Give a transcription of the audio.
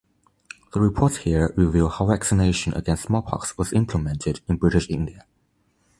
The reports here reveal how vaccination against smallpox was implemented in British India.